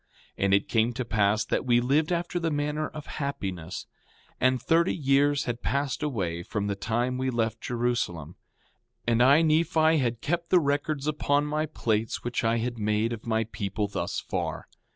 5:27 And it came to pass that we lived after the manner of happiness. 5:28 And thirty years had passed away from the time we left Jerusalem. 5:29 And I, Nephi, had kept the records upon my plates, which I had made, of my people thus far.